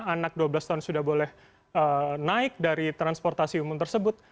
anak dua belas tahun sudah boleh naik dari transportasi umum tersebut